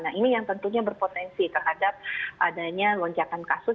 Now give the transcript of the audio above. nah ini yang tentunya berpotensi terhadap adanya lonjakan kasus